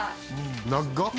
長っ！